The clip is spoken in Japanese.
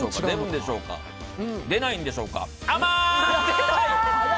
出るんでしょうか出ないんでしょうか。